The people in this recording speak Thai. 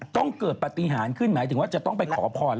ต้องเกิดปฏิหารขึ้นหมายถึงว่าจะต้องไปขอพร